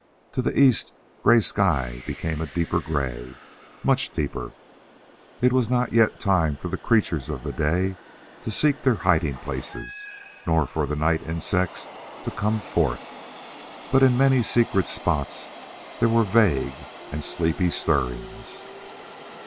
To the east gray sky became a deeper gray much deeper. It was not yet time for the creatures of the day to seek their hiding places, nor for the night insects to come forth. But in many secret spots there were vague and sleepy stirrings.